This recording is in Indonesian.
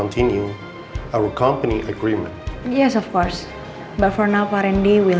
terima kasih loh farindi